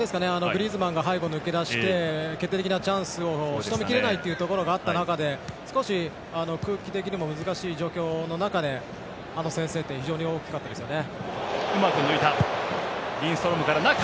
グリーズマンが背後抜け出して決定的なチャンスをしとめきれないところがあった中少し空気的にも難しい状況の中であの先制点は非常に大きかったですね。